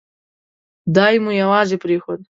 دای مو یوازې پرېښود.